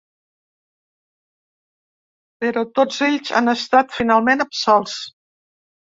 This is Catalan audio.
Però tots ells han estat finalment absolts.